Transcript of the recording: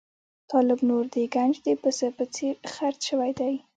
طالب نور د ګنج د پسه په څېر خرڅ شوی دی.